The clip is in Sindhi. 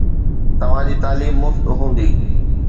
توهان جي تعليم مفت هوندي